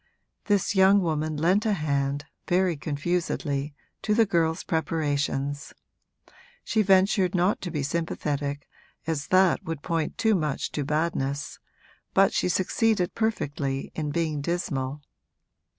This young woman lent a hand, very confusedly, to the girl's preparations; she ventured not to be sympathetic, as that would point too much to badness, but she succeeded perfectly in being dismal.